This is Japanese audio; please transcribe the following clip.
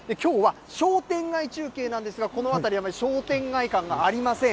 きょうは商店街中継なんですがこの辺り商店街感がありません。